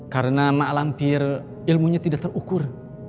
karena mak lamir ilmunya tidak terukur